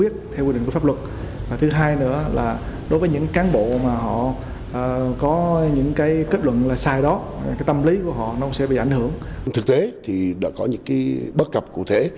thực tế thì đã có những bất cập cụ thể